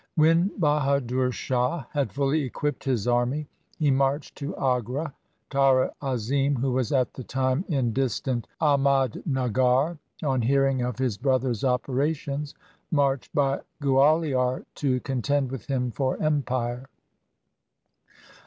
When Bahadur Shah had fully equipped his army, he marched to Agra. Tara Azim, who was at the time in distant Ahmadnagar, on hearing of his brother's operations, marched by Gualiar to con tend with him for empire.